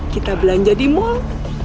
kita belanja di mall